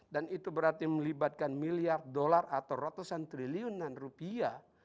dan itu berarti melibatkan miliar dolar atau ratusan triliunan rupiah